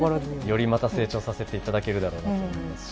よりまた成長させていただけるだろうなと思いますし。